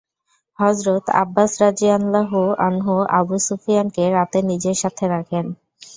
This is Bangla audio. হযরত আব্বাস রাযিয়াল্লাহু আনহু আবু সুফিয়ানকে রাতে নিজের সাথে রাখেন।